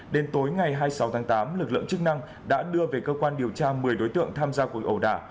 đến tối ngày hai mươi sáu tháng tám lực lượng chức năng đã đưa về cơ quan điều tra một mươi đối tượng tham gia cuộc ẩu đả